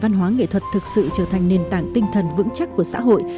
văn hóa nghệ thuật thực sự trở thành nền tảng tinh thần vững chắc của xã hội